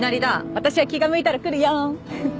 私は気が向いたら来るよんふふっ